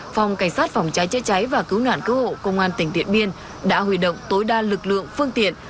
phòng cảnh sát phòng cháy chế cháy và cứu nạn cứu hộ công an tỉnh điện biên đã huy động tối đa lực lượng phương tiện